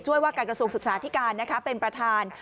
ว่าการกระทรวงศึกษาที่การเป็นประธาน